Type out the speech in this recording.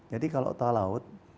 jadi kalau tol laut